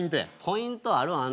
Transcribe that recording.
ポイントある？